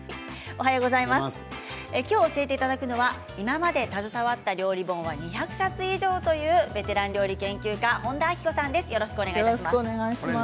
きょう教えていただくのは今まで携わった料理本は２００冊以上というベテラン料理研究家本田明子さんです。